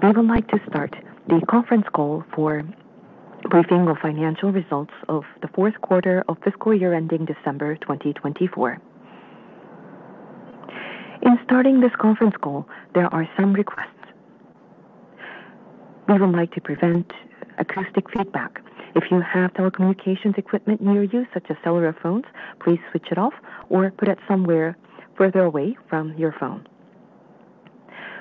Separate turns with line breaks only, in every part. We would like to start the conference call for briefing of financial results of the fourth quarter of fiscal year ending December 2024. In starting this conference call, there are some requests. We would like to prevent acoustic feedback. If you have telecommunications equipment near you, such as cellular phones, please switch it off or put it somewhere further away from your phone.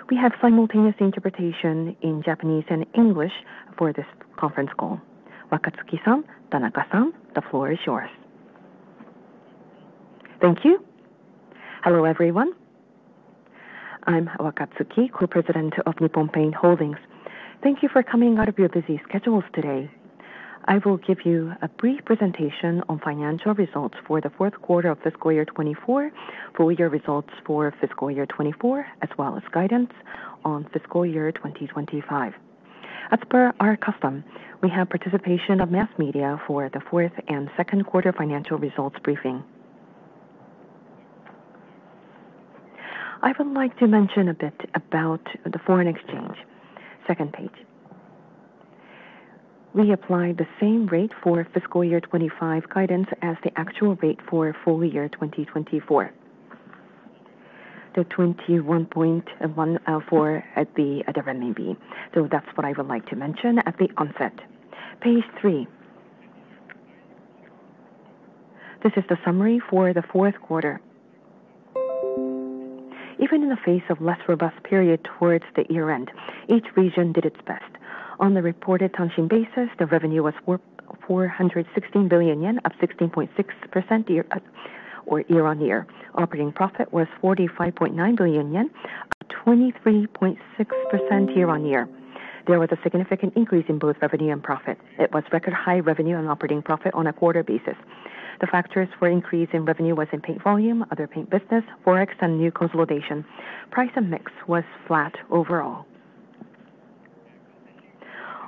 We have simultaneous interpretation in Japanese and English for this conference call. Wakatsuki-san, Tanaka-san, the floor is yours.
Thank you. Hello everyone. I'm Wakatsuki, Co-President of Nippon Paint Holdings. Thank you for coming out of your busy schedules today. I will give you a brief presentation on financial results for the fourth quarter of fiscal year 2024, full year results for fiscal year 2024, as well as guidance on fiscal year 2025. As per our custom, we have participation of mass media for the fourth and second quarter financial results briefing. I would like to mention a bit about the foreign exchange. Second page. We apply the same rate for fiscal year 2025 guidance as the actual rate for full year 2024. The 21.14 at the revenue line, so that's what I would like to mention at the outset. Page three. This is the summary for the fourth quarter. Even in the face of a less robust period towards the year-end, each region did its best. On the reported Tanshin basis, the revenue was 416 billion yen, up 16.6% year-on-year. Operating profit was 45.9 billion yen, up 23.6% year-on-year. There was a significant increase in both revenue and profit. It was record high revenue and operating profit on a quarter basis. The factors for increase in revenue were in paint volume, other paint business, forex, and new consolidation. Price and mix was flat overall.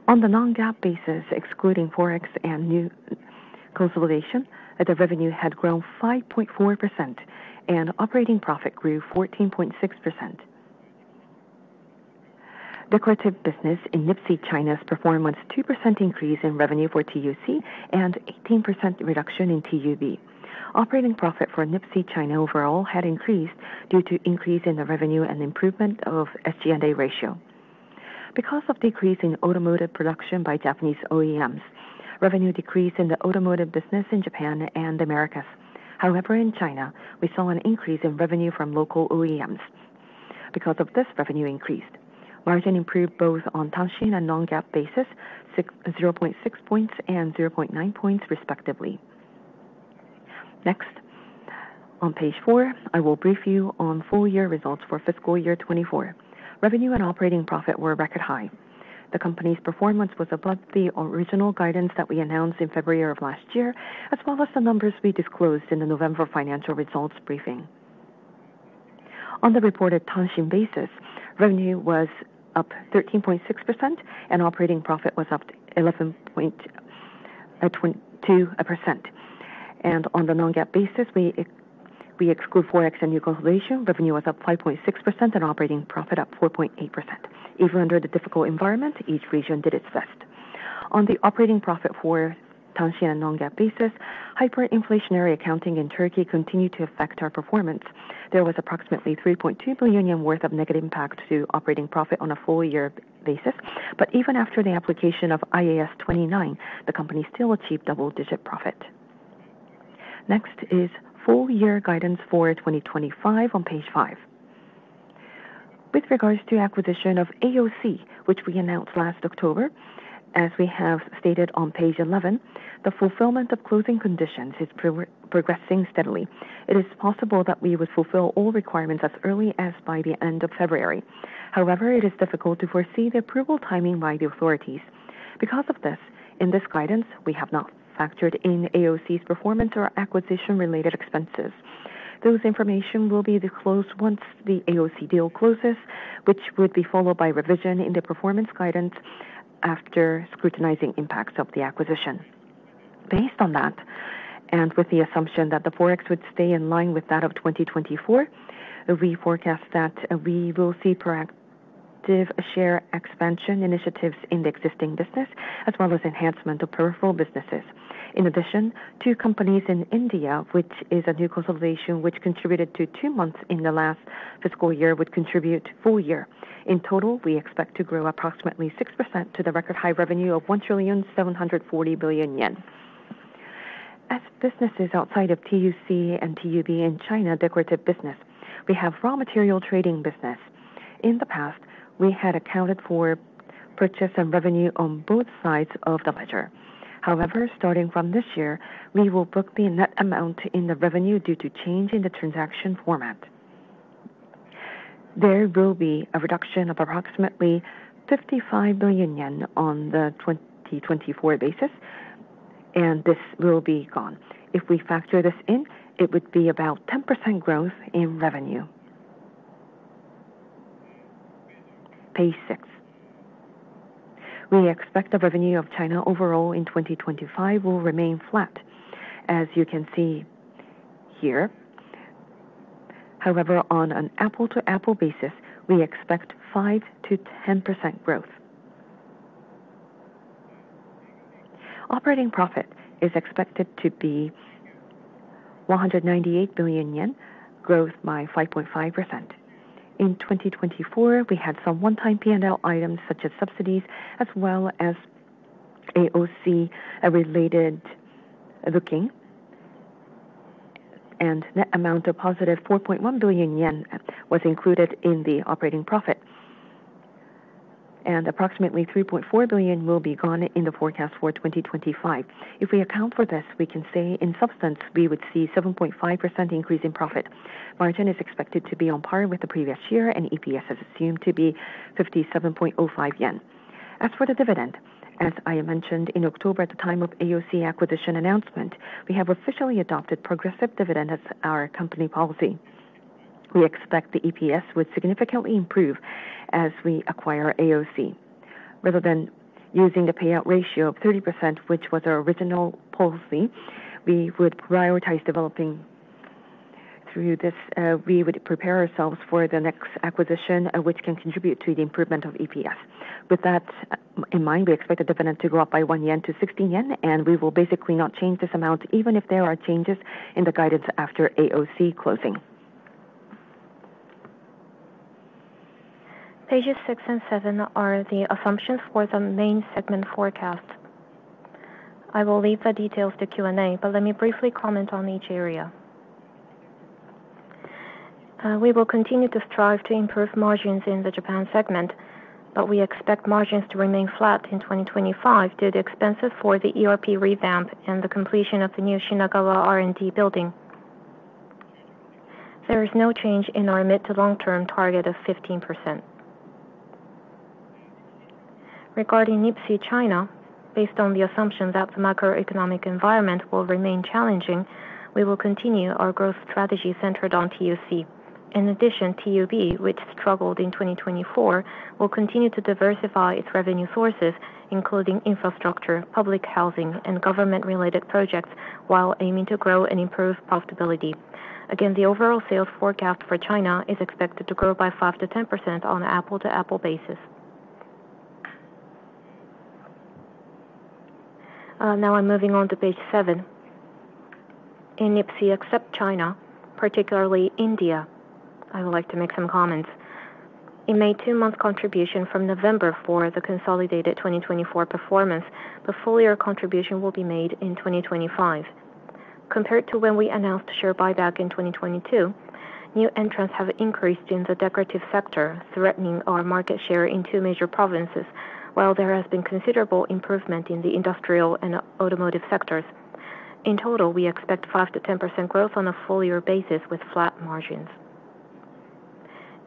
On the non-GAAP basis, excluding forex and new consolidation, the revenue had grown 5.4%, and operating profit grew 14.6%. Decorative business in NIPSEA, China's performance was a 2% increase in revenue for TUC and an 18% reduction in TUB. Operating profit for NIPSEA, China, overall had increased due to an increase in the revenue and improvement of the SG&A ratio. Because of the decrease in automotive production by Japanese OEMs, revenue decreased in the automotive business in Japan and the Americas. However, in China, we saw an increase in revenue from local OEMs. Because of this, revenue increased. Margin improved both on Tanshin and non-GAAP basis, 0.6 points and 0.9 points respectively. Next, on page four, I will brief you on full year results for fiscal year 2024. Revenue and operating profit were record high. The company's performance was above the original guidance that we announced in February of last year, as well as the numbers we disclosed in the November financial results briefing. On the reported Tanshin basis, revenue was up 13.6%, and operating profit was up 11.2%. And on the Non-GAAP basis, we exclude forex and new consolidation, revenue was up 5.6%, and operating profit up 4.8%. Even under the difficult environment, each region did its best. On the operating profit for Tanshin and Non-GAAP basis, hyperinflationary accounting in Turkey continued to affect our performance. There was approximately 3.2 billion yen worth of negative impact to operating profit on a full year basis, but even after the application of IAS 29, the company still achieved double-digit profit. Next is full year guidance for 2025 on page five. With regards to acquisition of AOC, which we announced last October, as we have stated on page 11, the fulfillment of closing conditions is progressing steadily. It is possible that we would fulfill all requirements as early as by the end of February. However, it is difficult to foresee the approval timing by the authorities. Because of this, in this guidance, we have not factored in AOC's performance or acquisition-related expenses. Those information will be disclosed once the AOC deal closes, which would be followed by revision in the performance guidance after scrutinizing impacts of the acquisition. Based on that, and with the assumption that the forex would stay in line with that of 2024, we forecast that we will see proactive share expansion initiatives in the existing business, as well as enhancement of peripheral businesses. In addition, two companies in India, which is a new consolidation which contributed to two months in the last fiscal year, would contribute full year. In total, we expect to grow approximately 6% to the record high revenue of 1.74 trillion yen. As businesses outside of TUC and TUB in China, decorative business, we have raw material trading business. In the past, we had accounted for purchase and revenue on both sides of the ledger. However, starting from this year, we will book the net amount in the revenue due to change in the transaction format. There will be a reduction of approximately 55 billion yen on the 2024 basis, and this will be gone. If we factor this in, it would be about 10% growth in revenue. Page six. We expect the revenue of China overall in 2025 will remain flat, as you can see here. However, on an apple-to-apple basis, we expect 5%-10% growth. Operating profit is expected to be 198 billion yen, growth by 5.5%. In 2024, we had some one-time P&L items such as subsidies, as well as AOC-related booking, and net amount of positive 4.1 billion yen was included in the operating profit, and approximately 3.4 billion will be gone in the forecast for 2025. If we account for this, we can say, in substance, we would see a 7.5% increase in profit. Margin is expected to be on par with the previous year, and EPS is assumed to be 57.05 yen. As for the dividend, as I mentioned in October at the time of AOC acquisition announcement, we have officially adopted progressive dividend as our company policy. We expect the EPS would significantly improve as we acquire AOC. Rather than using a payout ratio of 30%, which was our original policy, we would prioritize developing through this. We would prepare ourselves for the next acquisition, which can contribute to the improvement of EPS. With that in mind, we expect the dividend to go up by 1 yen to 60 yen, and we will basically not change this amount, even if there are changes in the guidance after AOC closing. Pages six and seven are the assumptions for the main segment forecast. I will leave the details to Q&A, but let me briefly comment on each area. We will continue to strive to improve margins in the Japan segment, but we expect margins to remain flat in 2025 due to expenses for the ERP revamp and the completion of the new Shinagawa R&D building. There is no change in our mid to long-term target of 15%. Regarding NIPSEA, China, based on the assumption that the macroeconomic environment will remain challenging, we will continue our growth strategy centered on TUC. In addition, TUB, which struggled in 2024, will continue to diversify its revenue sources, including infrastructure, public housing, and government-related projects, while aiming to grow and improve profitability. Again, the overall sales forecast for China is expected to grow by 5%-10% on an Apple-to-Apple basis. Now I'm moving on to page seven. In NIPSEA, except China, particularly India, I would like to make some comments. It made a two-month contribution from November for the consolidated 2024 performance, but a full year contribution will be made in 2025. Compared to when we announced share buyback in 2022, new entrants have increased in the decorative sector, threatening our market share in two major provinces, while there has been considerable improvement in the industrial and automotive sectors. In total, we expect 5%-10% growth on a full year basis with flat margins.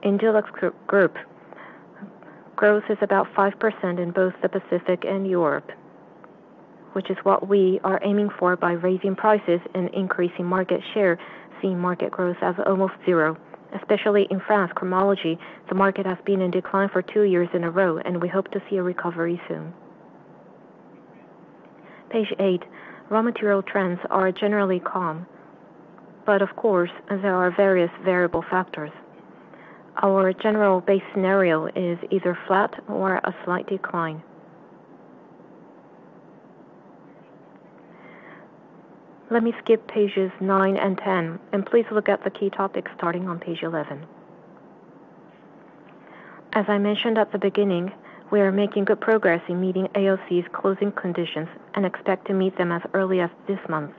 In DuluxGroup, growth is about 5% in both the Pacific and Europe, which is what we are aiming for by raising prices and increasing market share, seeing market growth as almost zero. Especially in France, Cromology, the market has been in decline for two years in a row, and we hope to see a recovery soon. Page eight, raw material trends are generally calm, but of course, there are various variable factors. Our general base scenario is either flat or a slight decline. Let me skip pages nine and ten, and please look at the key topics starting on page 11. As I mentioned at the beginning, we are making good progress in meeting AOC's closing conditions and expect to meet them as early as this month.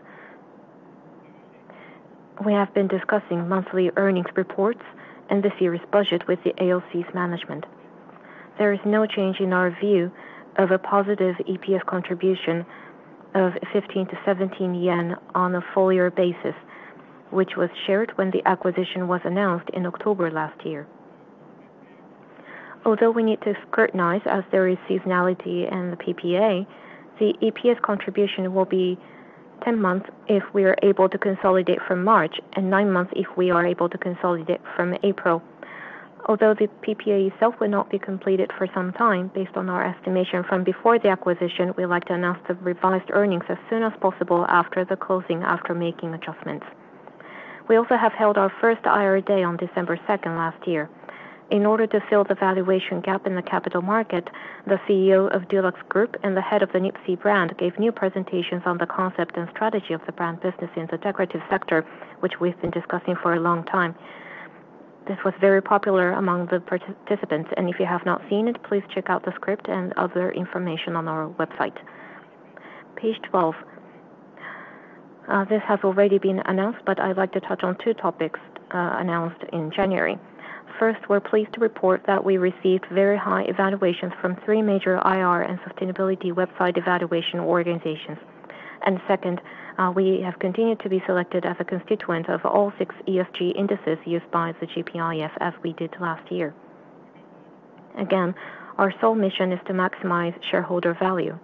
We have been discussing monthly earnings reports and this year's budget with the AOC's management. There is no change in our view of a positive EPS contribution of 15-17 yen on a full year basis, which was shared when the acquisition was announced in October last year. Although we need to scrutinize, as there is seasonality and the PPA, the EPS contribution will be 10 months if we are able to consolidate from March and 9 months if we are able to consolidate from April. Although the PPA itself will not be completed for some time, based on our estimation from before the acquisition, we'd like to announce the revised earnings as soon as possible after the closing after making adjustments. We also have held our first IR Day on December 2nd last year. In order to fill the valuation gap in the capital market, the CEO of DuluxGroup and the head of the NIPSEA brand gave new presentations on the concept and strategy of the brand business in the decorative sector, which we've been discussing for a long time. This was very popular among the participants, and if you have not seen it, please check out the script and other information on our website. Page 12. This has already been announced, but I'd like to touch on two topics announced in January. First, we're pleased to report that we received very high evaluations from three major IR and sustainability website evaluation organizations. And second, we have continued to be selected as a constituent of all six ESG indices used by the GPIF, as we did last year. Again, our sole mission is to maximize shareholder value,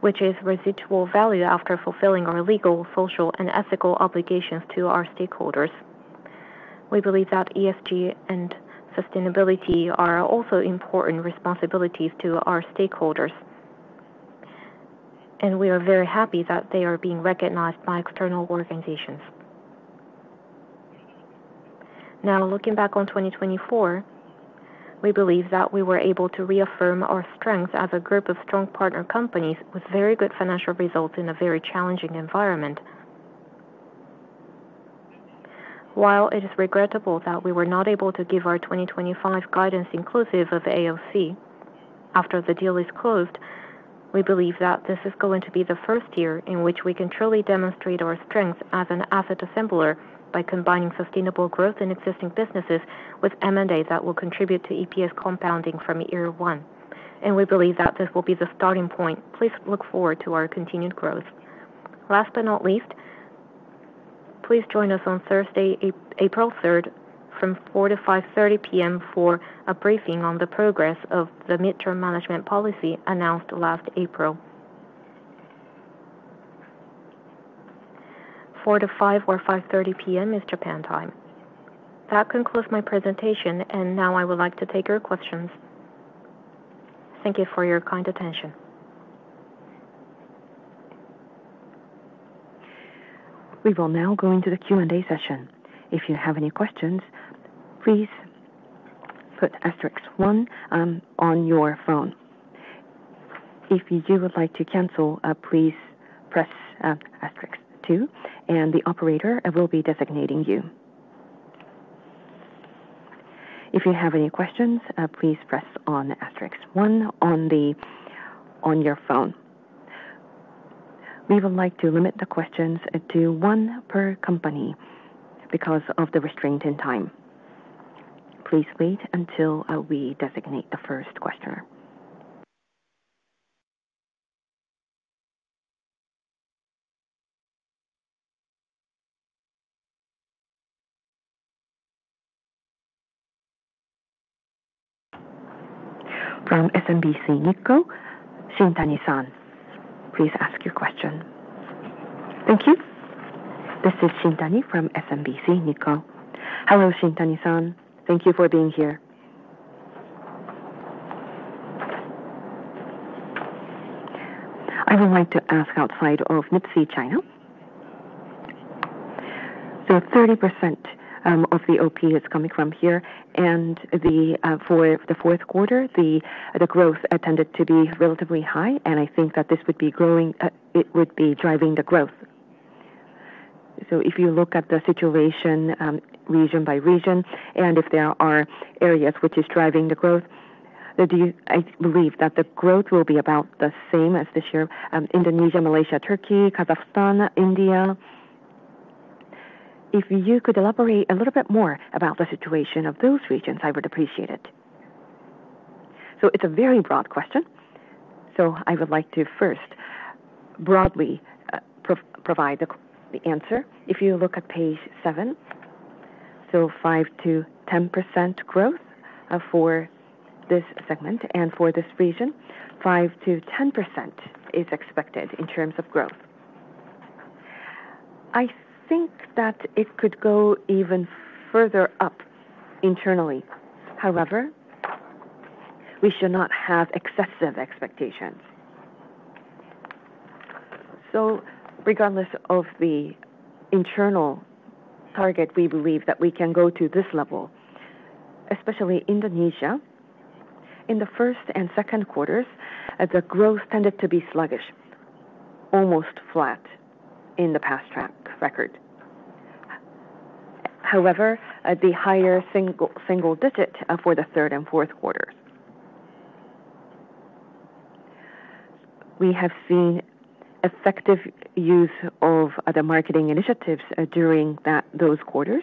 which is residual value after fulfilling our legal, social, and ethical obligations to our stakeholders. We believe that ESG and sustainability are also important responsibilities to our stakeholders, and we are very happy that they are being recognized by external organizations. Now, looking back on 2024, we believe that we were able to reaffirm our strength as a group of strong partner companies with very good financial results in a very challenging environment. While it is regrettable that we were not able to give our 2025 guidance inclusive of AOC after the deal is closed, we believe that this is going to be the first year in which we can truly demonstrate our strength as an asset assembler by combining sustainable growth in existing businesses with M&A that will contribute to EPS compounding from year one. We believe that this will be the starting point. Please look forward to our continued growth. Last but not least, please join us on Thursday, April 3rd, from 4:00 P.M. to 5:30 P.M. for a briefing on the progress of the midterm management policy announced last April. 4:00 P.M. to 5:00 P.M. or 5:30 P.M. is Japan time. That concludes my presentation, and now I would like to take your questions.
Thank you for your kind attention. We will now go into the Q&A session. If you have any questions, please put asterisk one on your phone. If you would like to cancel, please press asterisk two, and the operator will be designating you. If you have any questions, please press on asterisk one on your phone. We would like to limit the questions to one per company because of the restraint in time. Please wait until we designate the first questioner. From SMBC Nikko, Shintani-san. Please ask your question.
Thank you. This is Shintani from SMBC Nikko.
Hello, Shintani-san.
Thank you for being here. I would like to ask outside of NIPSEA, China. So 30% of the OP is coming from here, and for the fourth quarter, the growth expected to be relatively high, and I think that this would be driving the growth. So if you look at the situation region by region, and if there are areas which are driving the growth, I believe that the growth will be about the same as this year. Indonesia, Malaysia, Turkey, Kazakhstan, India. If you could elaborate a little bit more about the situation of those regions, I would appreciate it.
So it's a very broad question, so I would like to first broadly provide the answer. If you look at page seven, so 5%-10% growth for this segment and for this region, 5%-10% is expected in terms of growth. I think that it could go even further up internally. However, we should not have excessive expectations. So regardless of the internal target, we believe that we can go to this level, especially Indonesia. In the first and second quarters, the growth tended to be sluggish, almost flat in the past track record. However, the higher single digit for the third and fourth quarters. We have seen effective use of the marketing initiatives during those quarters.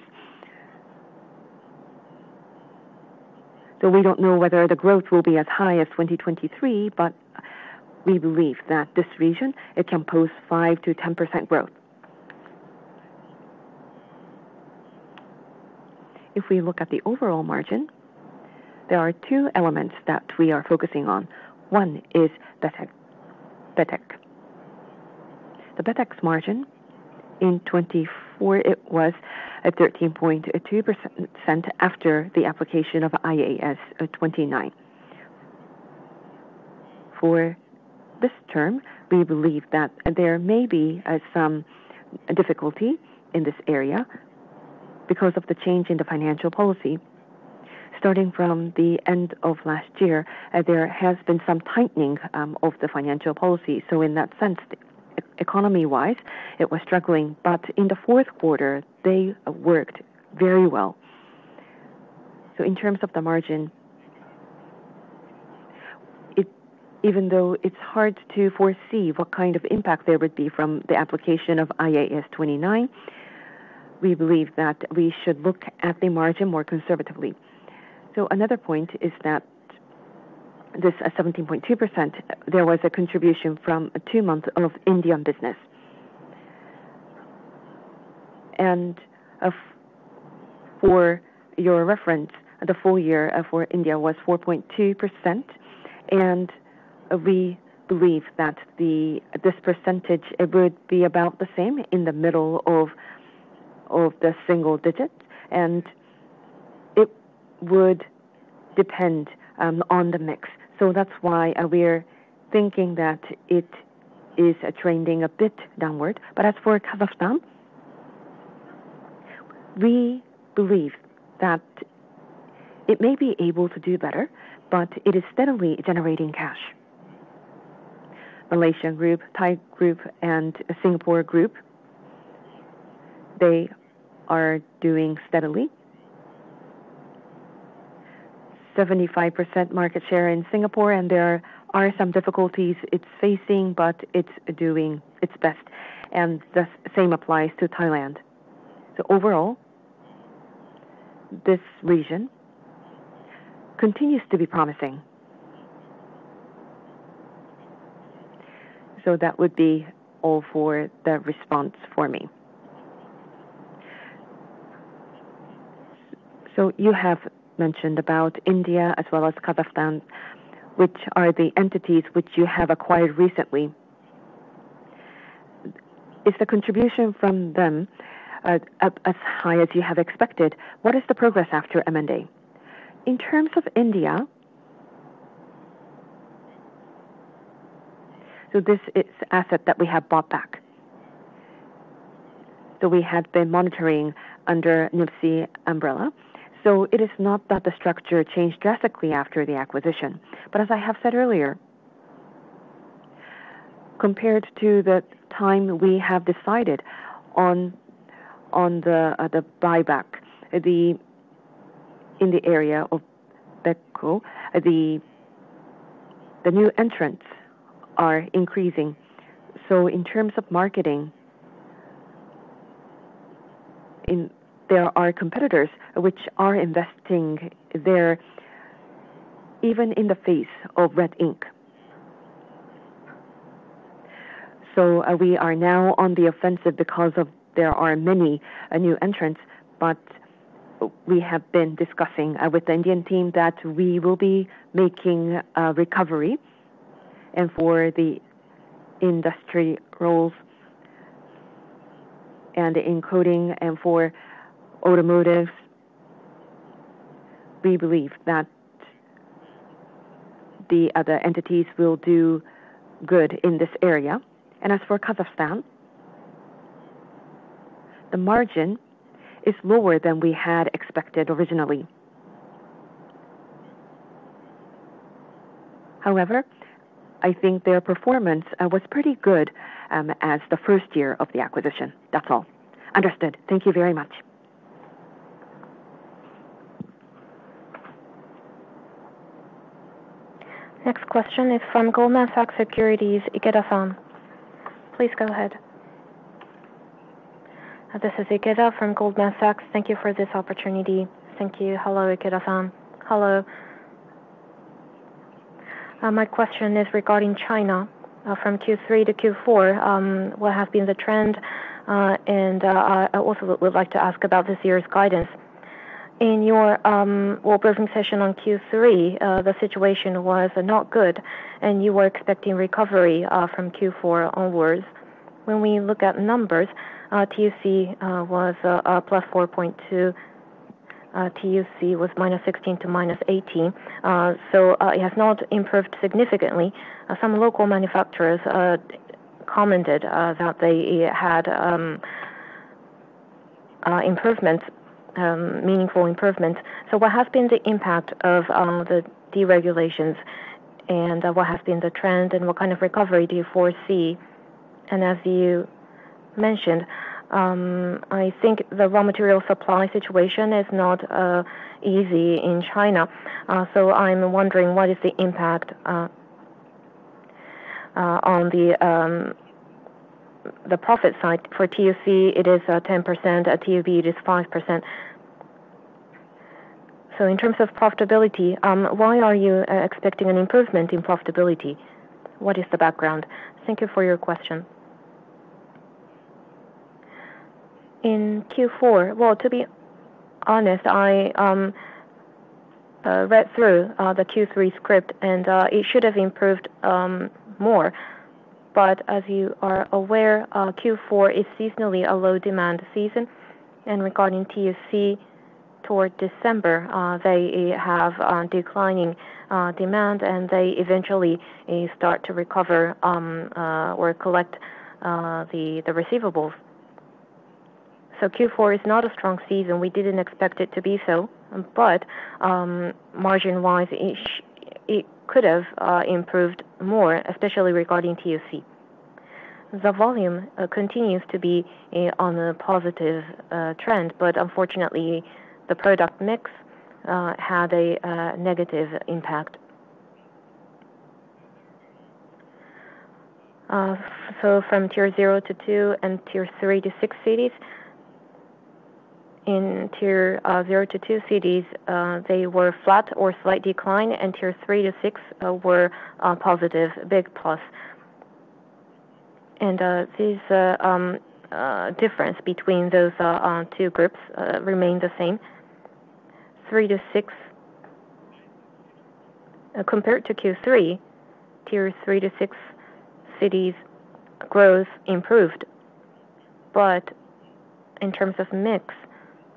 So we don't know whether the growth will be as high as 2023, but we believe that this region can post 5%-10% growth. If we look at the overall margin, there are two elements that we are focusing on. One is the Betek. The Betek's margin in 2024, it was 13.2% after the application of IAS 29. For this term, we believe that there may be some difficulty in this area because of the change in the financial policy. Starting from the end of last year, there has been some tightening of the financial policy. So in that sense, economy-wise, it was struggling, but in the fourth quarter, they worked very well. So in terms of the margin, even though it's hard to foresee what kind of impact there would be from the application of IAS 29, we believe that we should look at the margin more conservatively. So another point is that this 17.2%, there was a contribution from two months of Indian business. For your reference, the full year for India was 4.2%, and we believe that this percentage would be about the same in the middle of the single digit, and it would depend on the mix. So that's why we're thinking that it is trending a bit downward. But as for Kazakhstan, we believe that it may be able to do better, but it is steadily generating cash. Malaysia Group, Thai Group, and Singapore Group, they are doing steadily. 75% market share in Singapore, and there are some difficulties it's facing, but it's doing its best. And the same applies to Thailand. So overall, this region continues to be promising. So that would be all for the response for me. So you have mentioned about India as well as Kazakhstan, which are the entities which you have acquired recently. Is the contribution from them as high as you have expected? What is the progress after M&A? In terms of India, so this is asset that we have bought back. So we have been monitoring under NIPSEA umbrella. So it is not that the structure changed drastically after the acquisition. But as I have said earlier, compared to the time we have decided on the buyback in the area of Betek, the new entrants are increasing. So in terms of marketing, there are competitors which are investing there even in the face of red ink. So we are now on the offensive because there are many new entrants, but we have been discussing with the Indian team that we will be making a recovery for the industry roles and encoding and for automotive. We believe that the other entities will do good in this area, and as for Kazakhstan, the margin is lower than we had expected originally. However, I think their performance was pretty good as the first year of the acquisition.
That's all. Understood.
Thank you very much. Next question is from Goldman Sachs Securities, Ikeda-san. Please go ahead.
This is Ikeda from Goldman Sachs. Thank you for this opportunity.
Thank you. Hello, Ikeda-san.
Hello. My question is regarding China. From Q3 to Q4, what has been the trend? And I also would like to ask about this year's guidance. In your opening session on Q3, the situation was not good, and you were expecting recovery from Q4 onwards. When we look at numbers, TUC was +4.2. TUC was -16 to -18. So it has not improved significantly. Some local manufacturers commented that they had meaningful improvements. So what has been the impact of the deregulations? And what has been the trend? And what kind of recovery do you foresee? As you mentioned, I think the raw material supply situation is not easy in China. I'm wondering what is the impact on the profit side? For TUC, it is 10%. TUB, it is 5%. In terms of profitability, why are you expecting an improvement in profitability? What is the background?
Thank you for your question. In Q4, well, to be honest, I read through the Q3 script, and it should have improved more. As you are aware, Q4 is seasonally a low demand season. Regarding TUC, toward December, they have declining demand, and they eventually start to recover or collect the receivables. Q4 is not a strong season. We didn't expect it to be so, but margin-wise, it could have improved more, especially regarding TUC. The volume continues to be on a positive trend, but unfortunately, the product mix had a negative impact. So from tier 0 to 2 and tier 3 to 6 cities, in tier 0 to 2 cities, they were flat or slight decline, and tier 3 to 6 were positive, big plus. And this difference between those two groups remained the same. 3 to 6, compared to Q3, tier 3 to 6 cities' growth improved, but in terms of mix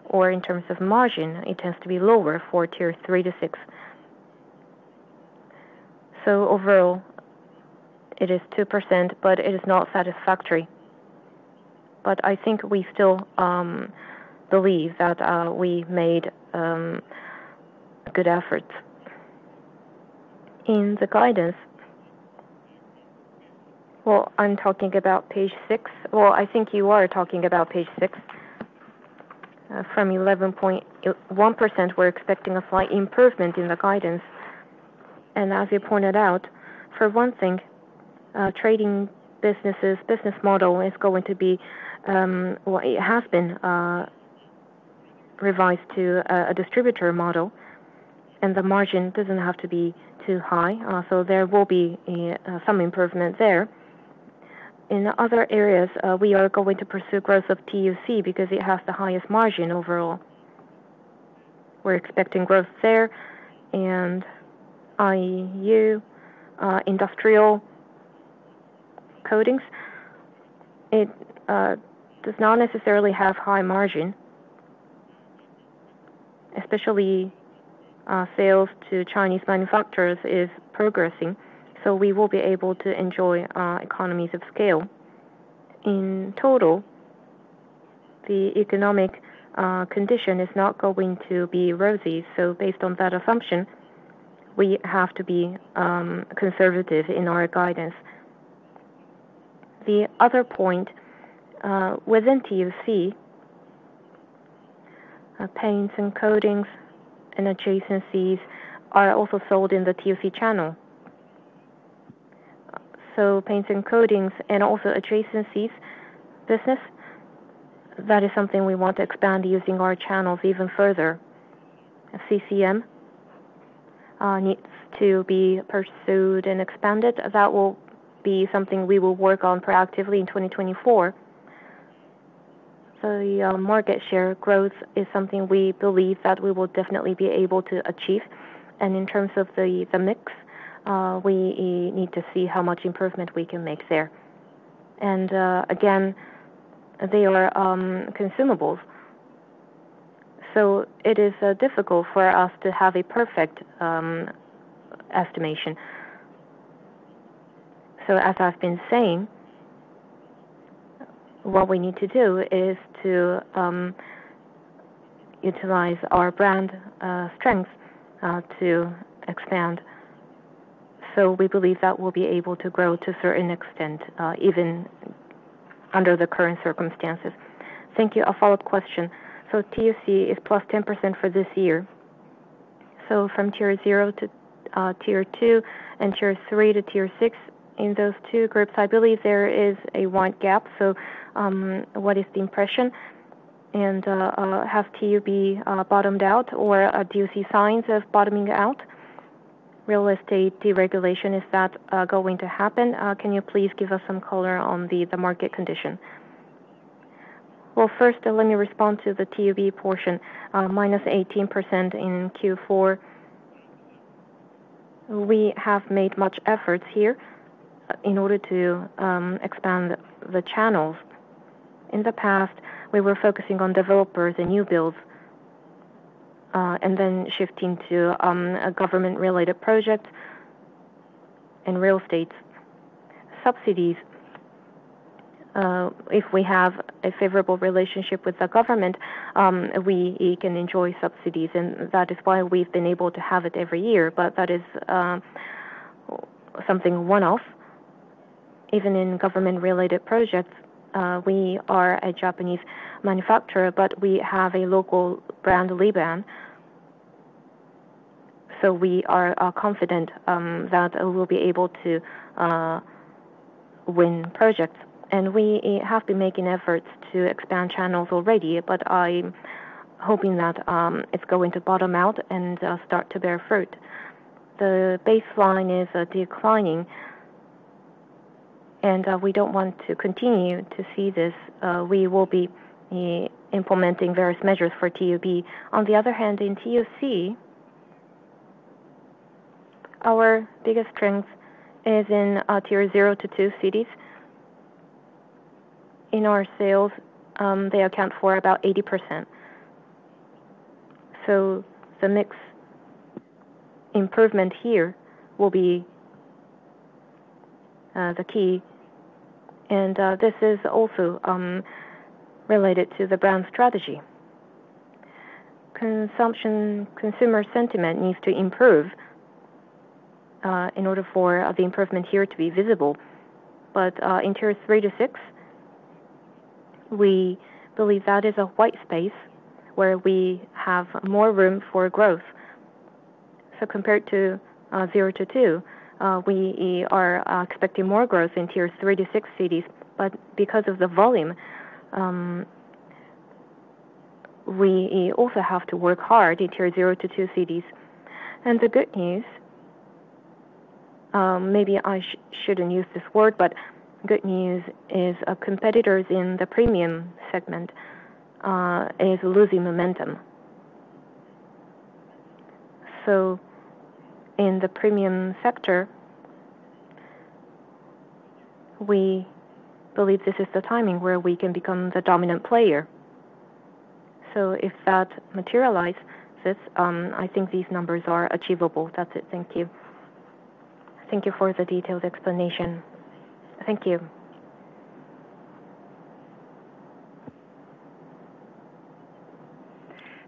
or in terms of margin, it tends to be lower for tier 3 to 6. So overall, it is 2%, but it is not satisfactory. But I think we still believe that we made good efforts. In the guidance, well, I'm talking about page six. Well, I think you are talking about page six. From 11.1%, we're expecting a slight improvement in the guidance. And as you pointed out, for one thing, trading businesses' business model is going to be what it has been revised to a distributor model, and the margin doesn't have to be too high. So there will be some improvement there. In other areas, we are going to pursue growth of TUC because it has the highest margin overall. We're expecting growth there. And IU, industrial coatings, it does not necessarily have high margin, especially sales to Chinese manufacturers is progressing, so we will be able to enjoy economies of scale. In total, the economic condition is not going to be rosy. So based on that assumption, we have to be conservative in our guidance. The other point, within TUC, paints and coatings and adjacencies are also sold in the TUC channel. Paints and coatings and also adjacencies business, that is something we want to expand using our channels even further. CCM needs to be pursued and expanded. That will be something we will work on proactively in 2024. The market share growth is something we believe that we will definitely be able to achieve. In terms of the mix, we need to see how much improvement we can make there. Again, they are consumables. It is difficult for us to have a perfect estimation. As I've been saying, what we need to do is to utilize our brand strength to expand. We believe that we'll be able to grow to a certain extent even under the current circumstances.
Thank you. A follow-up question. TUC is +10% for this year. So from tier 0 to tier 2 and tier 3 to tier 6, in those two groups, I believe there is a wide gap. So what is the impression? And has TUB bottomed out, or do you see signs of bottoming out? Real estate deregulation, is that going to happen? Can you please give us some color on the market condition?
Well, first, let me respond to the TUB portion. -18% in Q4. We have made much efforts here in order to expand the channels. In the past, we were focusing on developers and new builds and then shifting to government-related projects and real estate subsidies. If we have a favorable relationship with the government, we can enjoy subsidies, and that is why we've been able to have it every year. But that is something one-off. Even in government-related projects, we are a Japanese manufacturer, but we have a local brand, Li Bang, so we are confident that we'll be able to win projects, and we have been making efforts to expand channels already, but I'm hoping that it's going to bottom out and start to bear fruit. The baseline is declining, and we don't want to continue to see this. We will be implementing various measures for TUB. On the other hand, in TUC, our biggest strength is in Tier 0-2 cities. In our sales, they account for about 80%, so the mix improvement here will be the key, and this is also related to the brand strategy. Consumer sentiment needs to improve in order for the improvement here to be visible, but in Tier 3-6 cities, we believe that is a white space where we have more room for growth. So compared to Tier 0-2, we are expecting more growth in Tier 3-6 cities. But because of the volume, we also have to work hard in Tier 0-2 cities. And the good news, maybe I shouldn't use this word, but good news is competitors in the premium segment are losing momentum. So in the premium sector, we believe this is the timing where we can become the dominant player. So if that materializes, I think these numbers are achievable. That's it.
Thank you. Thank you for the detailed explanation.
Thank you.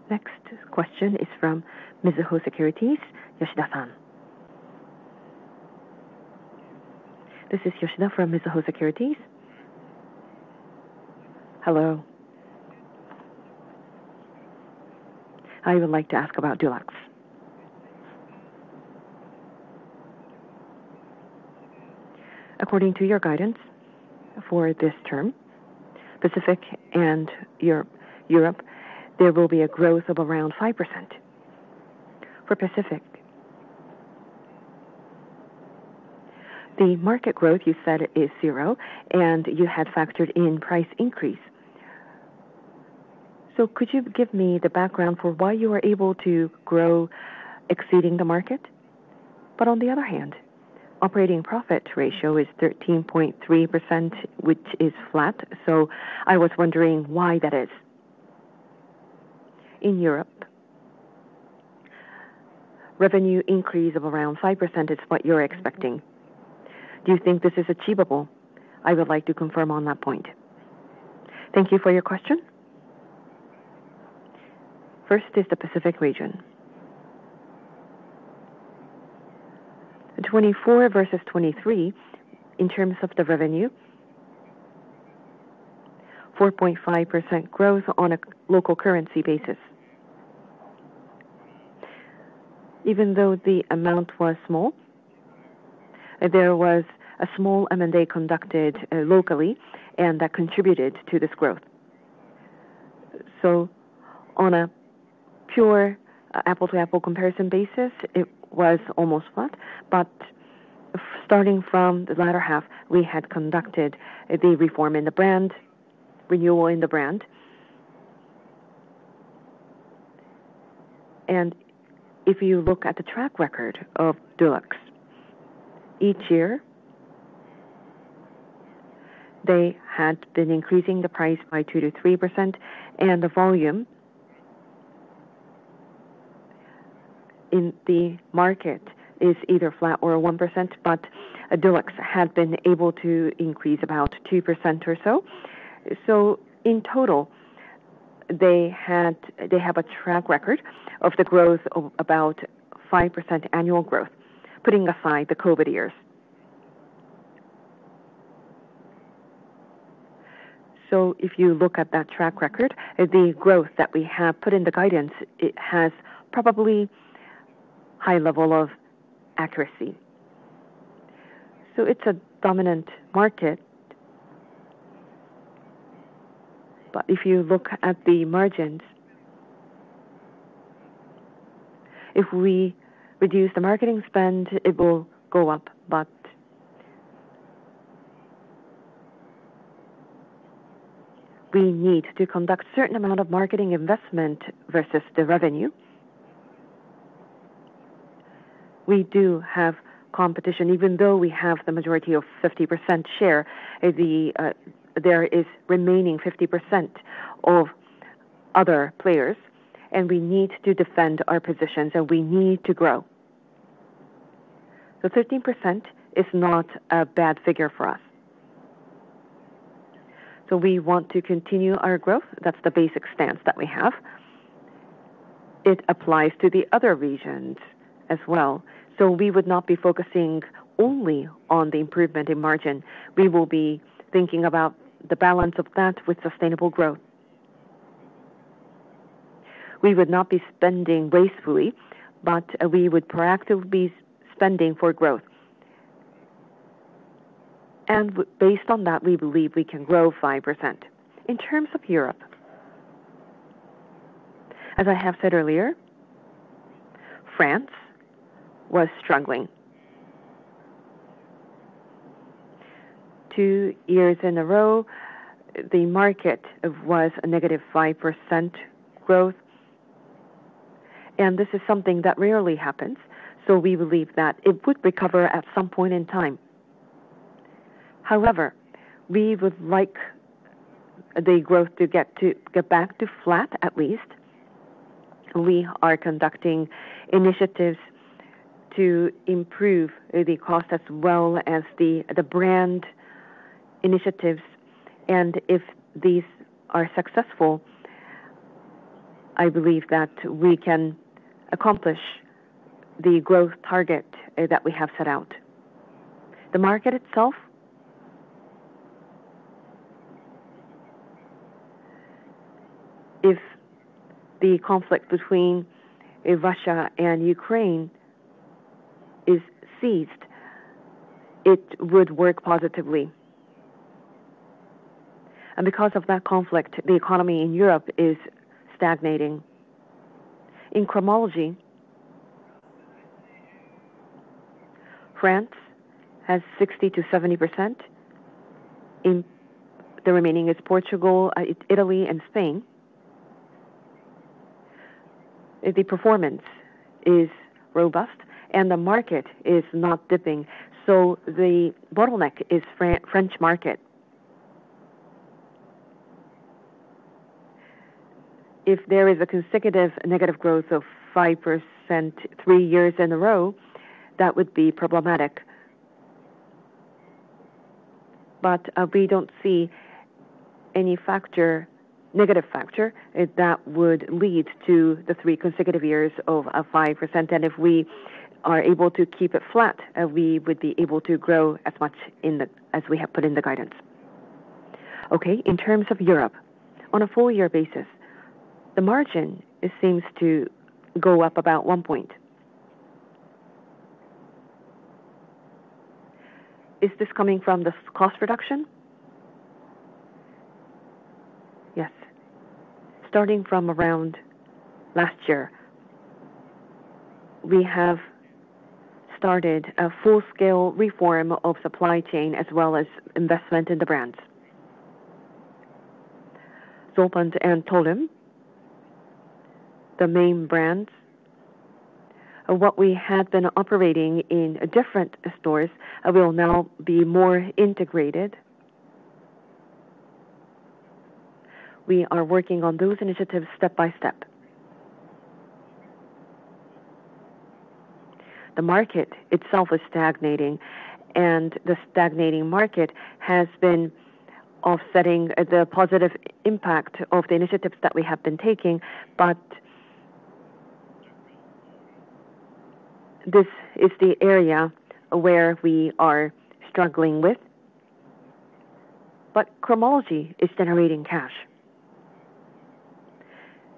Next question is from Mizuho Securities, Yoshida-san.
This is Yoshida from Mizuho Securities. Hello. I would like to ask about Dulux. According to your guidance for this term, Pacific and Europe, there will be a growth of around 5%. For Pacific, the market growth you said is zero, and you had factored in price increase. So could you give me the background for why you are able to grow exceeding the market? But on the other hand, operating profit ratio is 13.3%, which is flat. So I was wondering why that is. In Europe, revenue increase of around 5% is what you're expecting. Do you think this is achievable? I would like to confirm on that point.
Thank you for your question. First is the Pacific region. 24 versus 23 in terms of the revenue, 4.5% growth on a local currency basis. Even though the amount was small, there was a small M&A conducted locally, and that contributed to this growth. So on a pure Apple-to-Apple comparison basis, it was almost flat. But starting from the latter half, we had conducted the reform in the brand, renewal in the brand. If you look at the track record of Dulux, each year, they had been increasing the price by 2%-3%, and the volume in the market is either flat or 1%, but Dulux had been able to increase about 2% or so. In total, they have a track record of the growth of about 5% annual growth, putting aside the COVID years. If you look at that track record, the growth that we have put in the guidance has probably a high level of accuracy. It's a dominant market. If you look at the margins, if we reduce the marketing spend, it will go up. We need to conduct a certain amount of marketing investment versus the revenue. We do have competition. Even though we have the majority of 50% share, there is remaining 50% of other players, and we need to defend our positions, and we need to grow, so 13% is not a bad figure for us, so we want to continue our growth. That's the basic stance that we have. It applies to the other regions as well, so we would not be focusing only on the improvement in margin. We will be thinking about the balance of that with sustainable growth. We would not be spending wastefully, but we would proactively be spending for growth, and based on that, we believe we can grow 5%. In terms of Europe, as I have said earlier, France was struggling. Two years in a row, the market was a -5% growth, and this is something that rarely happens, so we believe that it would recover at some point in time. However, we would like the growth to get back to flat at least. We are conducting initiatives to improve the cost as well as the brand initiatives. And if these are successful, I believe that we can accomplish the growth target that we have set out. The market itself, if the conflict between Russia and Ukraine ceases, it would work positively. And because of that conflict, the economy in Europe is stagnating. In Cromology, France has 60%-70%. The remaining is Portugal, Italy, and Spain. The performance is robust, and the market is not dipping. So the bottleneck is the French market. If there is a consecutive negative growth of 5% three years in a row, that would be problematic. But we don't see any negative factor that would lead to the three consecutive years of 5%. If we are able to keep it flat, we would be able to grow as much as we have put in the guidance.
Okay. In terms of Europe, on a four-year basis, the margin seems to go up about one point. Is this coming from the cost reduction?
Yes. Starting from around last year, we have started a full-scale reform of supply chain as well as investment in the brands. Zolpan and Tollens, the main brands. What we had been operating in different stores will now be more integrated. We are working on those initiatives step by step. The market itself is stagnating, and the stagnating market has been offsetting the positive impact of the initiatives that we have been taking. This is the area where we are struggling with. Cromology is generating cash.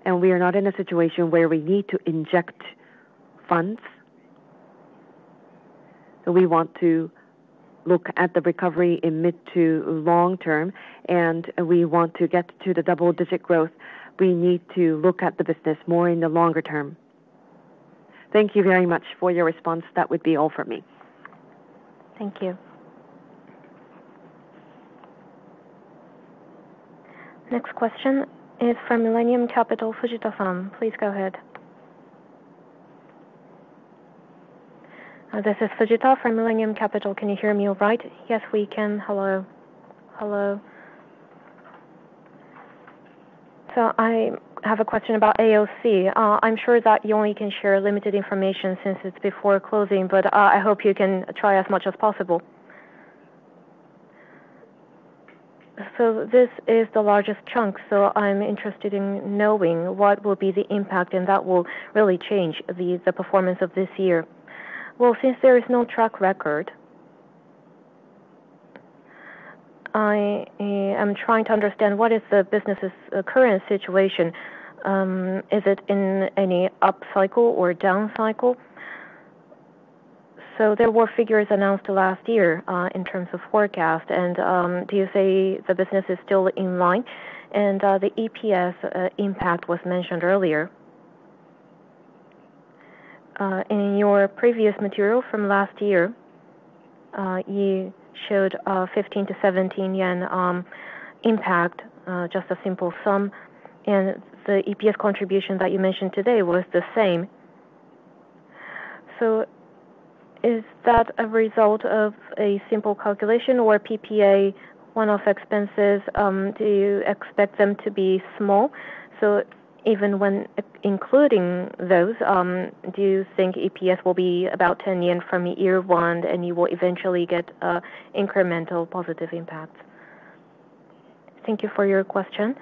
We are not in a situation where we need to inject funds. We want to look at the recovery in mid to long term, and we want to get to the double-digit growth. We need to look at the business more in the longer term. Thank you very much for your response.
That would be all for me.
Thank you. Next question is from Millennium Capital, Fujita-san. Please go ahead.
This is Fujita from Millennium Capital. Can you hear me all right?
Yes, we can. Hello.
Hello. So I have a question about AOC. I'm sure that you only can share limited information since it's before closing, but I hope you can try as much as possible. So this is the largest chunk, so I'm interested in knowing what will be the impact, and that will really change the performance of this year. Well, since there is no track record, I am trying to understand what is the business's current situation. Is it in any up cycle or down cycle? So there were figures announced last year in terms of forecast. And do you say the business is still in line? And the EPS impact was mentioned earlier. In your previous material from last year, you showed a 15-17 yen impact, just a simple sum. And the EPS contribution that you mentioned today was the same. So is that a result of a simple calculation or PPA one-off expenses? Do you expect them to be small? So even when including those, do you think EPS will be about 10 yen from year one, and you will eventually get incremental positive impact?
Thank you for your question.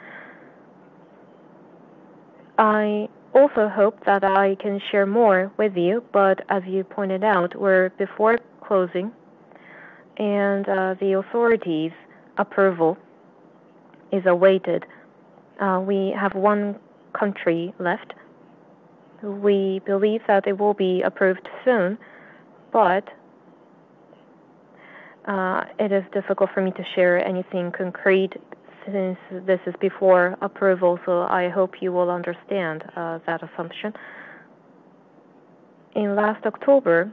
I also hope that I can share more with you, but as you pointed out, we're before closing, and the authority's approval is awaited. We have one country left. We believe that it will be approved soon, but it is difficult for me to share anything concrete since this is before approval, so I hope you will understand that assumption. In last October,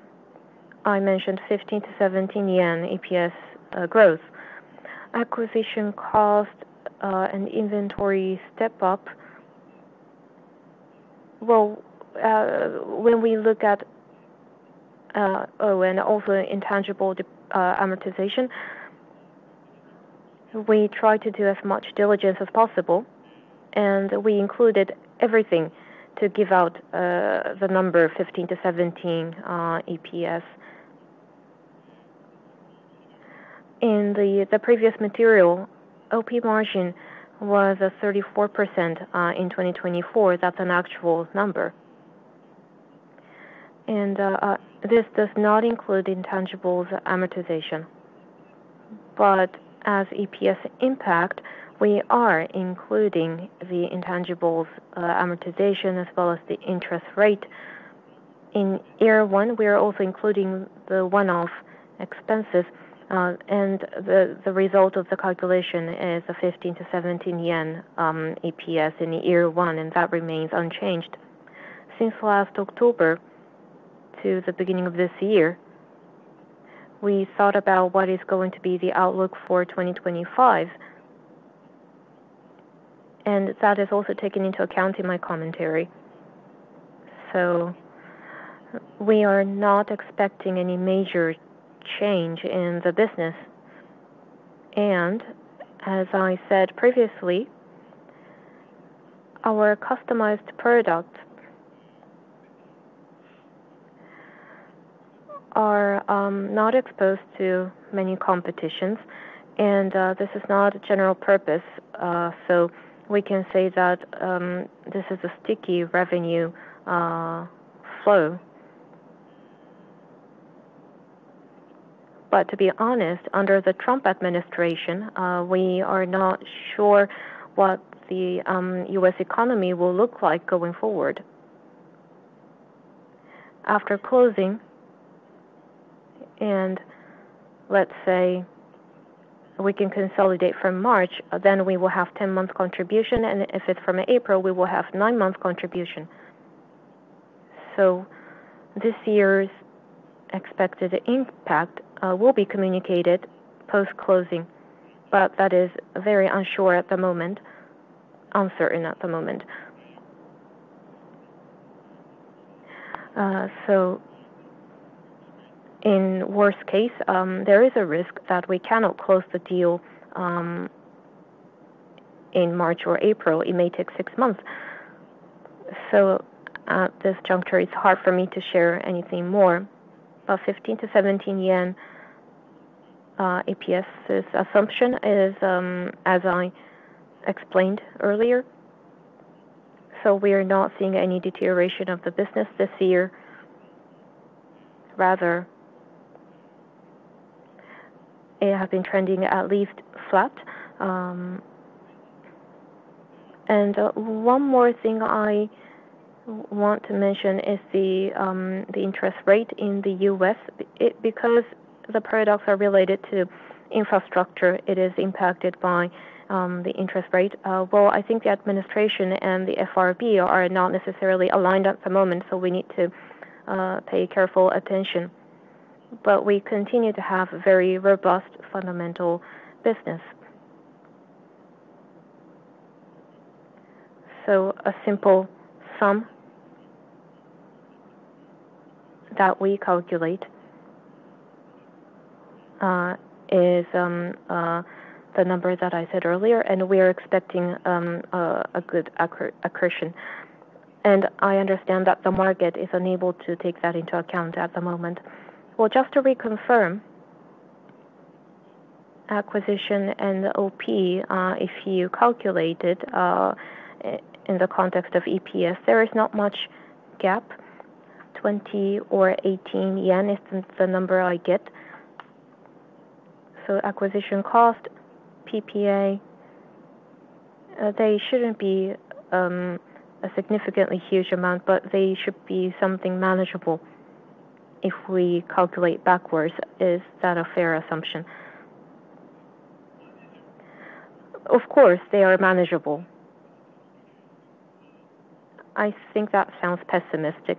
I mentioned 15-17 yen EPS growth. Acquisition cost and inventory step-up. Well, when we look at AOC, also intangible amortization, we try to do as much diligence as possible, and we included everything to give out the number 15-17 EPS. In the previous material, OP margin was 34% in 2024. That's an actual number. This does not include intangibles amortization. As EPS impact, we are including the intangibles amortization as well as the interest rate. In year one, we are also including the one-off expenses. The result of the calculation is a 15-17 yen EPS in year one, and that remains unchanged. Since last October to the beginning of this year, we thought about what is going to be the outlook for 2025. And that is also taken into account in my commentary. So we are not expecting any major change in the business. And as I said previously, our customized products are not exposed to many competitions. And this is not a general purpose, so we can say that this is a sticky revenue flow. But to be honest, under the Trump administration, we are not sure what the U.S. economy will look like going forward. After closing, and let's say we can consolidate from March, then we will have 10-month contribution. And if it's from April, we will have 9-month contribution. So this year's expected impact will be communicated post-closing, but that is very unsure at the moment, uncertain at the moment. In worst case, there is a risk that we cannot close the deal in March or April. It may take six months. At this juncture, it's hard for me to share anything more. About 15-17 yen EPS assumption is, as I explained earlier. We are not seeing any deterioration of the business this year. Rather, it has been trending at least flat. One more thing I want to mention is the interest rate in the U.S. Because the products are related to infrastructure, it is impacted by the interest rate. I think the administration and the FRB are not necessarily aligned at the moment, so we need to pay careful attention. We continue to have very robust fundamental business. A simple sum that we calculate is the number that I said earlier, and we are expecting a good accretion. I understand that the market is unable to take that into account at the moment. Just to reconfirm, acquisition and OP, if you calculate it in the context of EPS, there is not much gap. 20 or 18 yen is the number I get. Acquisition cost, PPA, they shouldn't be a significantly huge amount, but they should be something manageable if we calculate backwards. Is that a fair assumption? Of course, they are manageable. I think that sounds pessimistic.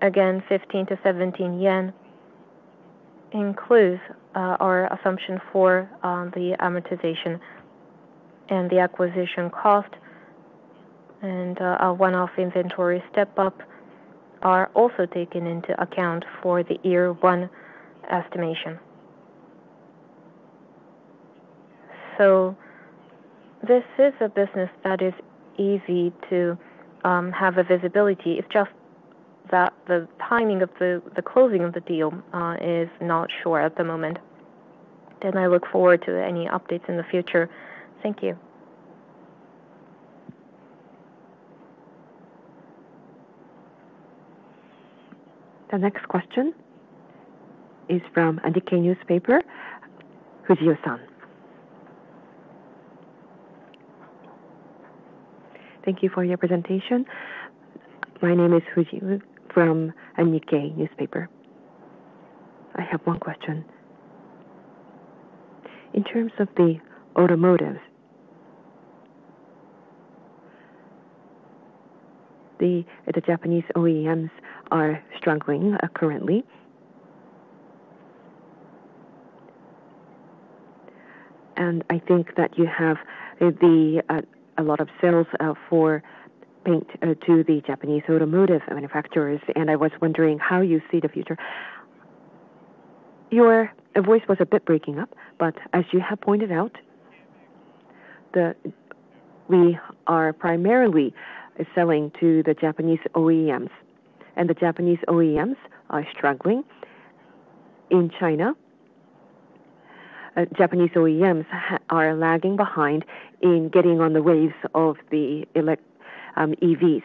Again, JPY 15-JPY 17 includes our assumption for the amortization. The acquisition cost and one-off inventory step-up are also taken into account for the year one estimation. This is a business that is easy to have visibility. It's just that the timing of the closing of the deal is not sure at the moment.
I look forward to any updates in the future.
Thank you. The next question is from Nikkei newspaper. Fujita-san. Thank you for your presentation.
My name is Fujita from Nikkei newspaper. I have one question. In terms of the automotive, the Japanese OEMs are struggling currently, and I think that you have a lot of sales for paint to the Japanese automotive manufacturers, and I was wondering how you see the future.
Your voice was a bit breaking up, but as you have pointed out, we are primarily selling to the Japanese OEMs, and the Japanese OEMs are struggling in China. Japanese OEMs are lagging behind in getting on the waves of the EVs,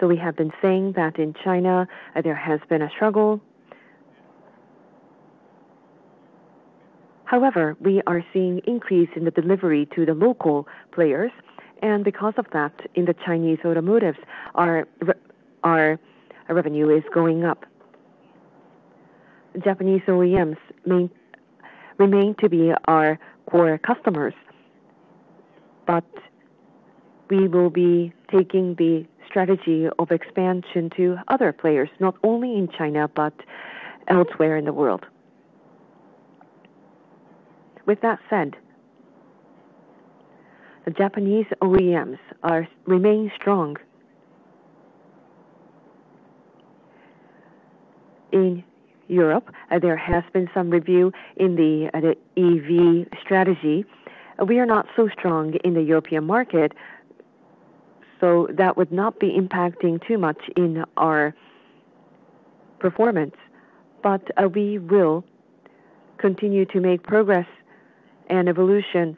so we have been saying that in China, there has been a struggle. However, we are seeing an increase in the delivery to the local players, and because of that, in the Chinese automotives, our revenue is going up. Japanese OEMs remain to be our core customers. But we will be taking the strategy of expansion to other players, not only in China but elsewhere in the world. With that said, the Japanese OEMs remain strong in Europe. There has been some review in the EV strategy. We are not so strong in the European market, so that would not be impacting too much in our performance. But we will continue to make progress and evolution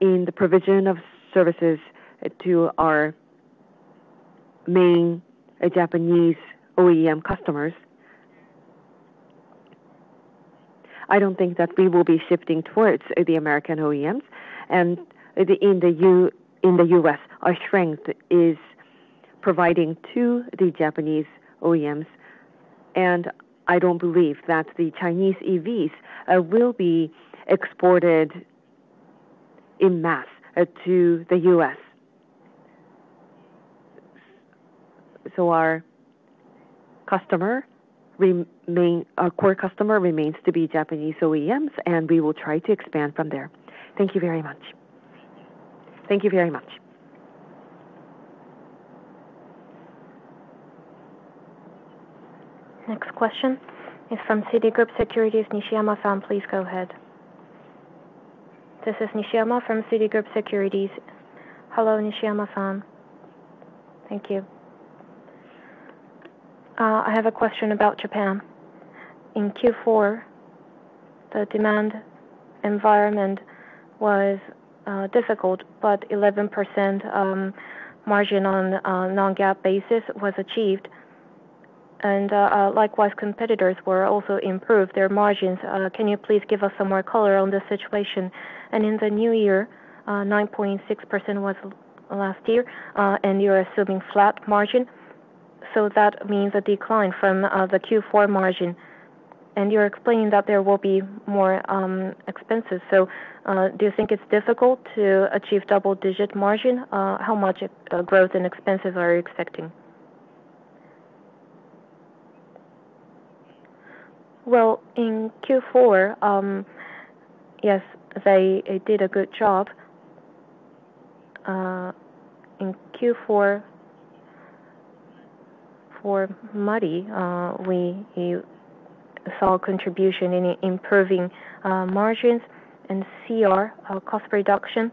in the provision of services to our main Japanese OEM customers. I don't think that we will be shifting towards the American OEMs. And in the U.S., our strength is providing to the Japanese OEMs. And I don't believe that the Chinese EVs will be exported en masse to the U.S. So our core customer remains to be Japanese OEMs, and we will try to expand from there.
Thank you very much.
Thank you very much. Next question is from Citigroup Securities, Nishiyama-san. Please go ahead.
This is Nishiyama from Citigroup Securities.
Hello, Nishiyama-san.
Thank you. I have a question about Japan. In Q4, the demand environment was difficult, but 11% margin on a non-GAAP basis was achieved, and likewise, competitors were also improved their margins. Can you please give us some more color on the situation? In the new year, 9.6% was last year, and you're assuming flat margin, so that means a decline from the Q4 margin. And you're explaining that there will be more expenses, so do you think it's difficult to achieve double-digit margin? How much growth and expenses are you expecting?
Well, in Q4, yes, they did a good job. In Q4, for our DIY, we saw contribution in improving margins and CR, cost reduction.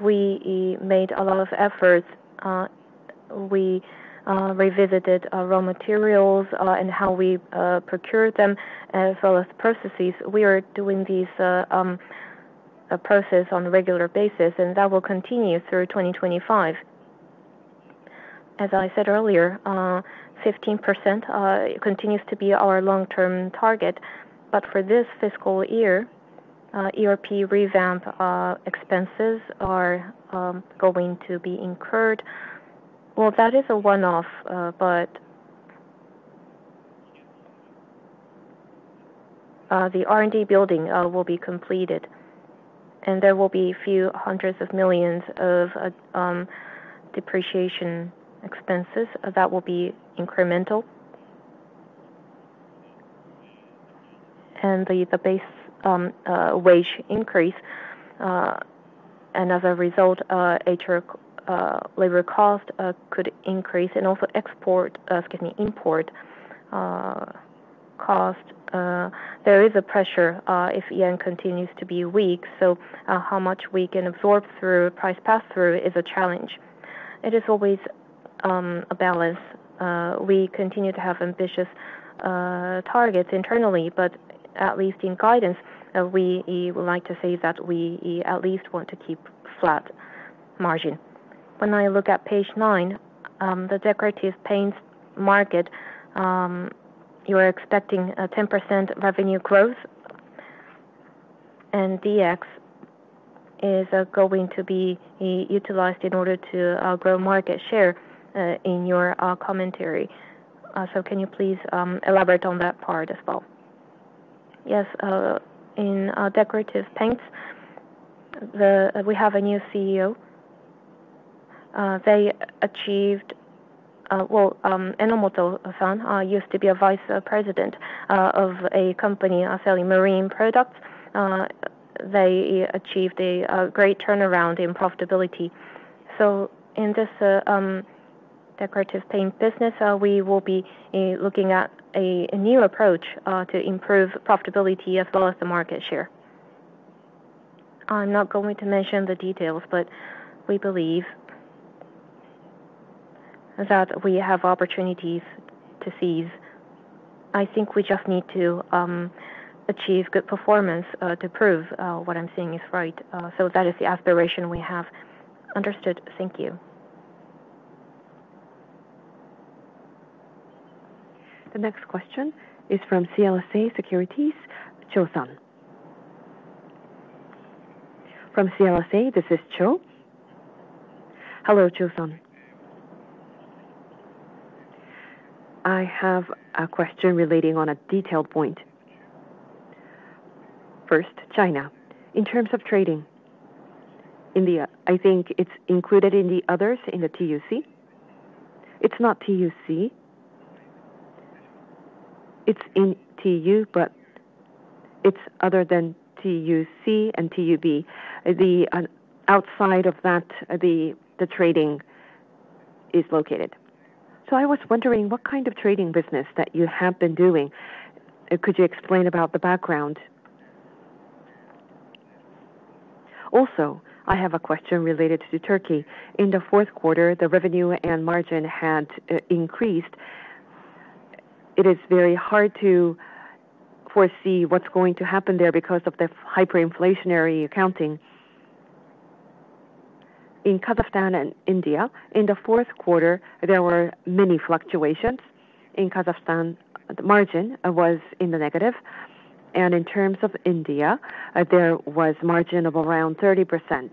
We made a lot of efforts. We revisited raw materials and how we procured them, as well as processes. We are doing these processes on a regular basis, and that will continue through 2025. As I said earlier, 15% continues to be our long-term target. For this fiscal year, ERP revamp expenses are going to be incurred. That is a one-off, but the R&D building will be completed. There will be a few hundreds of millions of depreciation expenses that will be incremental. The base wage increase, and as a result, labor cost could increase. Also export, excuse me, import cost. There is a pressure if yen continues to be weak. How much we can absorb through price pass-through is a challenge. It is always a balance. We continue to have ambitious targets internally, but at least in guidance, we would like to say that we at least want to keep flat margin.
When I look at page nine, the decorative paint market, you are expecting 10% revenue growth, and DX is going to be utilized in order to grow market share in your commentary, so can you please elaborate on that part as well?
Yes. In decorative paints, we have a new CEO. They achieved, well, Enomoto-san used to be a vice president of a company selling marine products. They achieved a great turnaround in profitability, so in this decorative paint business, we will be looking at a new approach to improve profitability as well as the market share. I'm not going to mention the details, but we believe that we have opportunities to seize. I think we just need to achieve good performance to prove what I'm seeing is right. So that is the aspiration we have.
Understood.
Thank you. The next question is from CLSA Securities, Cho-san.
From CLSA, this is Cho.
Hello, Cho-san.
I have a question relating to a detailed point. First, China. In terms of trading in the, I think it's included in the others in the TUC. It's not TUC. It's in TU, but it's other than TUC and TUB. The outside of that, the trading is located. So I was wondering what kind of trading business that you have been doing. Could you explain about the background? Also, I have a question related to Turkey. In the fourth quarter, the revenue and margin had increased. It is very hard to foresee what's going to happen there because of the hyperinflationary accounting. In Kazakhstan and India, in the fourth quarter, there were many fluctuations. In Kazakhstan, the margin was in the negative. And in terms of India, there was margin of around 30%.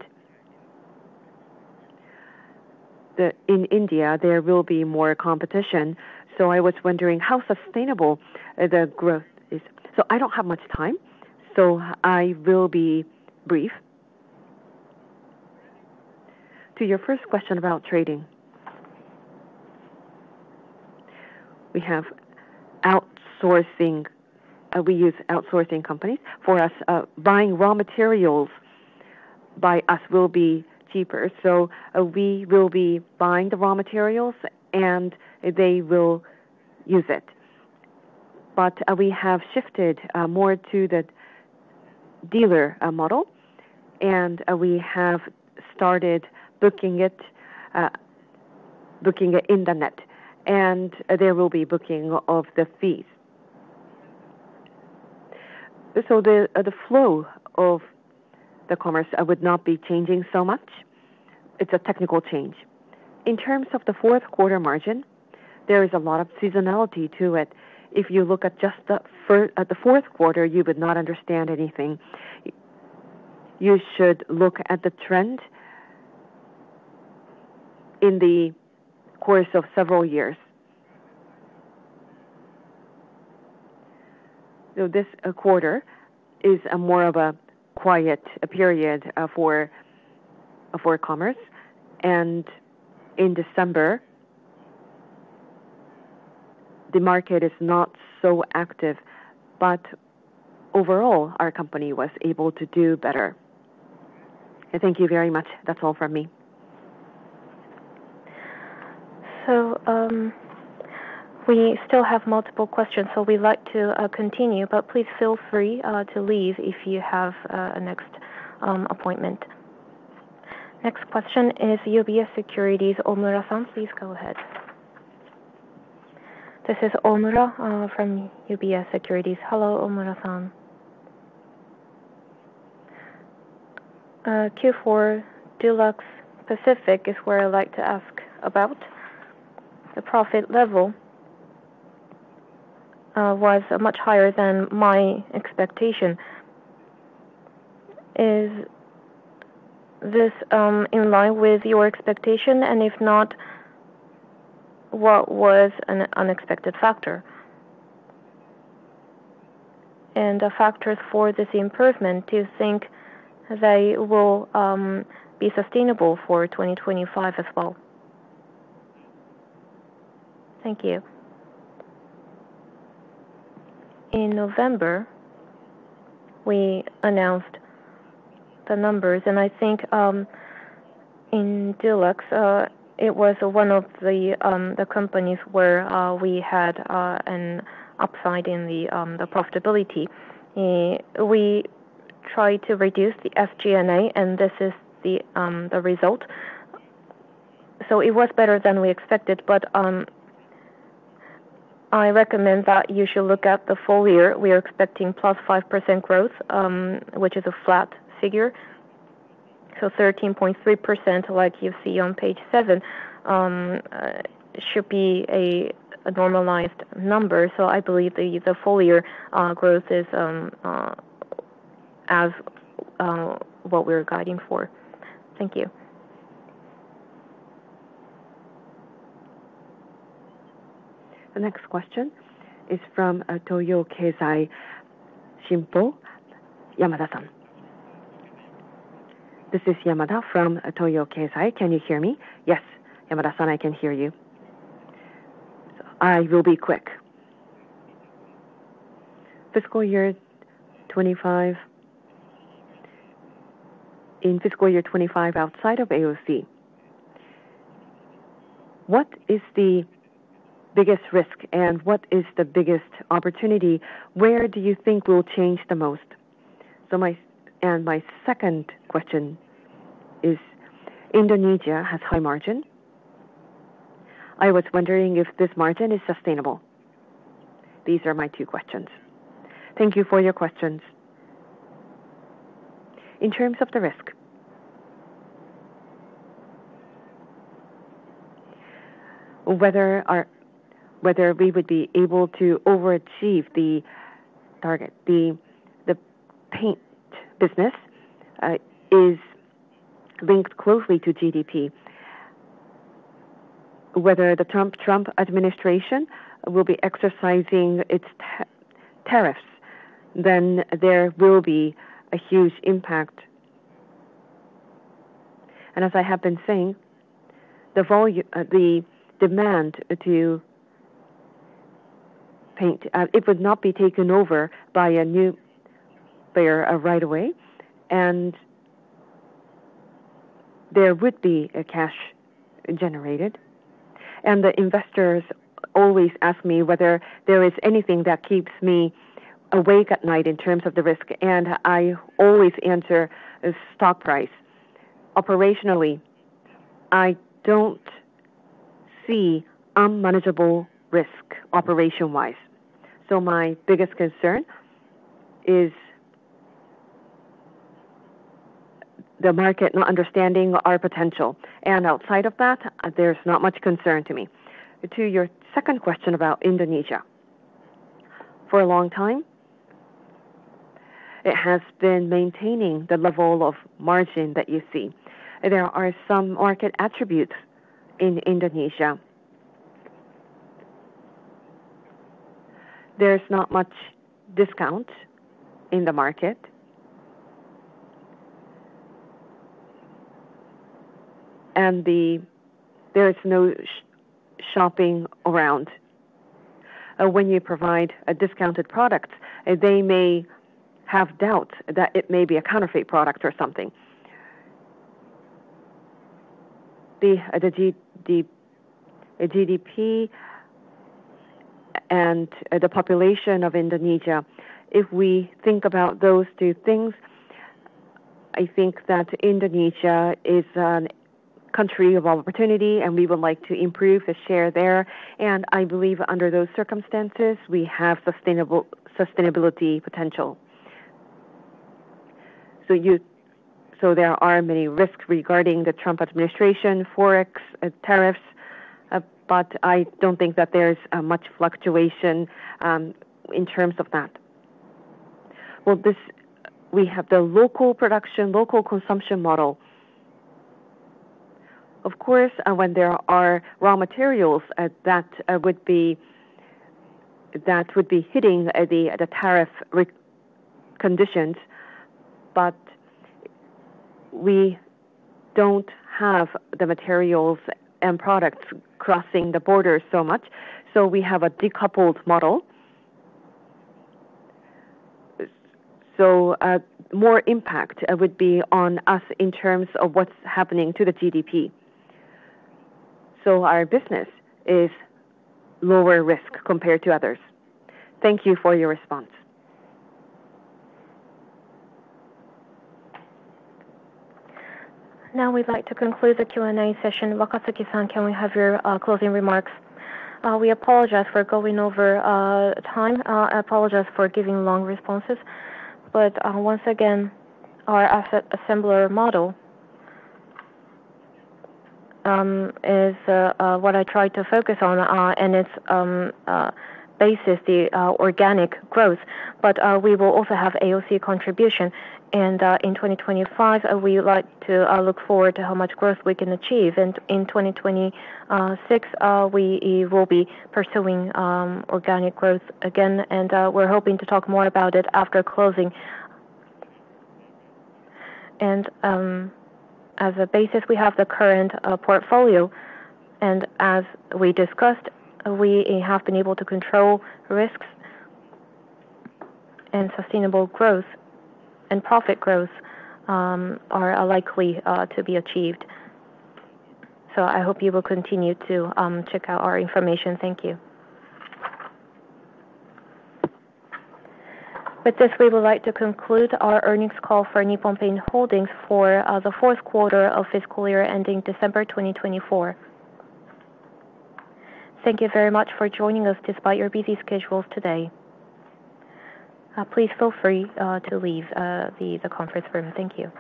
In India, there will be more competition. So I was wondering how sustainable the growth is.
So I don't have much time, so I will be brief. To your first question about trading, we have outsourcing. We use outsourcing companies. For us, buying raw materials by us will be cheaper. So we will be buying the raw materials, and they will use it. But we have shifted more to the dealer model, and we have started booking it in the net. And there will be booking of the fees. So the flow of the commerce would not be changing so much. It's a technical change. In terms of the fourth quarter margin, there is a lot of seasonality to it. If you look at just the fourth quarter, you would not understand anything. You should look at the trend in the course of several years. So this quarter is more of a quiet period for commerce. And in December, the market is not so active. But overall, our company was able to do better.
Thank you very much. That's all from me.
So we still have multiple questions, so we'd like to continue. But please feel free to leave if you have a next appointment. Next question is UBS Securities, Omura-san. Please go ahead.
This is Omura from UBS Securities.
Hello, Omura-san.
Q4 Dulux Pacific is where I'd like to ask about. The profit level was much higher than my expectation. Is this in line with your expectation? If not, what was an unexpected factor? The factors for this improvement, do you think they will be sustainable for 2025 as well?
Thank you. In November, we announced the numbers. I think in Dulux, it was one of the companies where we had an upside in the profitability. We tried to reduce the SG&A, and this is the result. It was better than we expected. I recommend that you should look at the full year. We are expecting plus 5% growth, which is a flat figure. 13.3%, like you see on page seven, should be a normalized number. I believe the full year growth is as what we're guiding for.
Thank you. The next question is from Toyo Keizai Shinpo, Yamada-san.
This is Yamada from Toyo Keizai. Can you hear me?
Yes. Yamada-san, I can hear you.
I will be quick. Fiscal year 2025. In fiscal year 2025, outside of AOC, what is the biggest risk, and what is the biggest opportunity? Where do you think will change the most, and my second question is, Indonesia has high margin. I was wondering if this margin is sustainable. These are my two questions.
Thank you for your questions. In terms of the risk, whether we would be able to overachieve the target, the paint business is linked closely to GDP. Whether the Trump administration will be exercising its tariffs, then there will be a huge impact, and as I have been saying, the demand to paint, it would not be taken over by a new player right away. And there would be a cash generated, and the investors always ask me whether there is anything that keeps me awake at night in terms of the risk, and I always answer stock price. Operationally, I don't see unmanageable risk operation-wise, so my biggest concern is the market not understanding our potential, and outside of that, there's not much concern to me. To your second question about Indonesia, for a long time, it has been maintaining the level of margin that you see. There are some market attributes in Indonesia. There's not much discount in the market, and there is no shopping around. When you provide a discounted product, they may have doubts that it may be a counterfeit product or something. The GDP and the population of Indonesia, if we think about those two things, I think that Indonesia is a country of opportunity, and we would like to improve the share there, and I believe under those circumstances, we have sustainability potential, so there are many risks regarding the Trump administration, forex, tariffs. But I don't think that there's much fluctuation in terms of that. Well, we have the local production, local consumption model. Of course, when there are raw materials that would be hitting the tariff conditions, but we don't have the materials and products crossing the border so much. So we have a decoupled model. So more impact would be on us in terms of what's happening to the GDP. So our business is lower risk compared to others.
Thank you for your response.
Now we'd like to conclude the Q&A session. Wakatsuki-san, can we have your closing remarks?
We apologize for going over time. I apologize for giving long responses. But once again, our assembler model is what I tried to focus on, and its basis is the organic growth. But we will also have AOC contribution. And in 2025, we would like to look forward to how much growth we can achieve. And in 2026, we will be pursuing organic growth again. And we're hoping to talk more about it after closing. And as a basis, we have the current portfolio. And as we discussed, we have been able to control risks, and sustainable growth and profit growth are likely to be achieved. So I hope you will continue to check out our information.
Thank you. With this, we would like to conclude our earnings call for Nippon Paint Holdings for the fourth quarter of fiscal year ending December 2024. Thank you very much for joining us despite your busy schedules today. Please feel free to leave the conference room. Thank you.